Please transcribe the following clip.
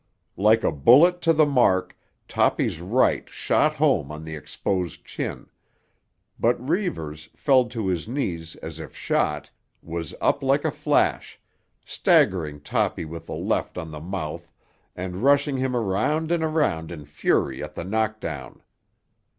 Like a bullet to the mark Toppy's right shot home on the exposed chin; but Reivers, felled to his knees as if shot, was up like a flash, staggering Toppy with a left on the mouth and rushing him around and around in fury at the knockdown.